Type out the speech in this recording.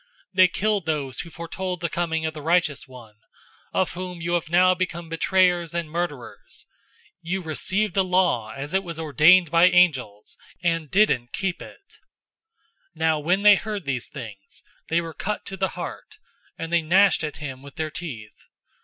They killed those who foretold the coming of the Righteous One, of whom you have now become betrayers and murderers. 007:053 You received the law as it was ordained by angels, and didn't keep it!" 007:054 Now when they heard these things, they were cut to the heart, and they gnashed at him with their teeth.